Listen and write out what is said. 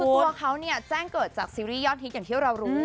คือตัวเขาแจ้งเกิดจากซีรีส์ยอดฮิตอย่างที่เรารู้